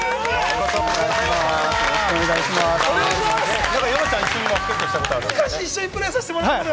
よろしくお願いします。